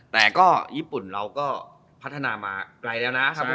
แต่ก็ญี่ปุ่นเราก็พัฒนามาไกลแล้วนะ